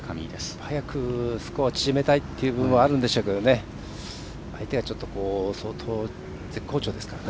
早くスコアを縮めたいという部分はあるんでしょうけど相手がちょっと相当絶好調ですからね。